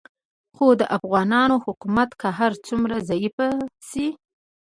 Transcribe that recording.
خو د افغانانو حکومت که هر څومره ضعیفه هم شي